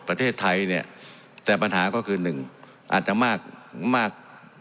ประเทศไทยเนี่ยแต่ปัญหาก็คือหนึ่งอาจจะมากมาก